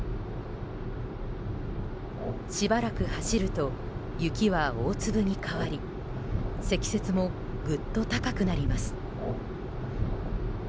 しばらく走ると雪は大粒に変わり積雪もぐっと高くなります。